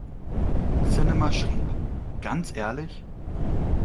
Cinema schrieb: „Ganz ehrlich?